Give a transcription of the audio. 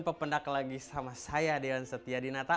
pependak lagi sama saya dewan setia dinata